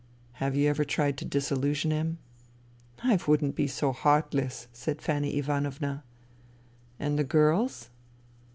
" Have you ever tried to disillusion him ?"" I wouldn't be so heartless," said Fanny Ivanovna. " And the girls